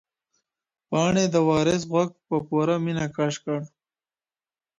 پاڼې د وارث غوږ په پوره مینه کش کړ.